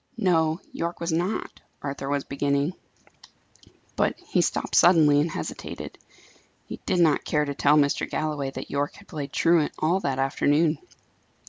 "No, Yorke was not," Arthur was beginning. But he stopped suddenly and hesitated. He did not care to tell Mr. Galloway that Yorke had played truant all that afternoon.